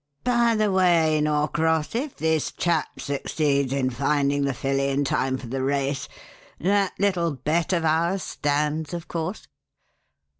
By the way, Norcross, if this chap succeeds in finding the filly in time for the race, that little bet of ours stands, of course?"